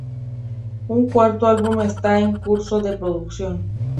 Un cuarto álbum está en curso de producción.